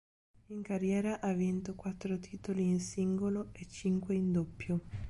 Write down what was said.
In carriera ha vinto quattro titoli in singolo e cinque in doppio.